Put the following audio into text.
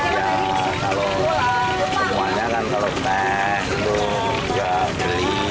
kalau kemuan jangan terlalu teh itu juga beli